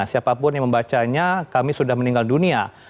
siapapun yang membacanya kami sudah meninggal dunia